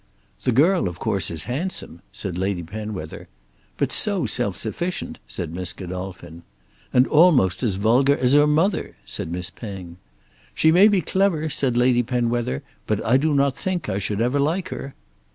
"The girl of course is handsome," said Lady Penwether. "But so self sufficient," said Miss Godolphin. "And almost as vulgar as her mother," said Miss Penge. "She may be clever," said Lady Penwether, "but I do not think I should ever like her."